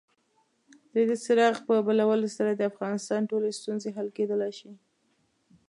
د دغه څراغ په بلولو سره د افغانستان ټولې ستونزې حل کېدلای شي.